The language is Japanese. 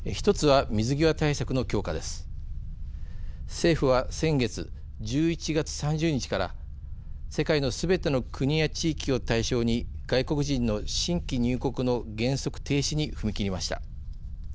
政府は先月１１月３０日から世界のすべての国や地域を対象に外国人の新規入国の原則停止に踏み切りました。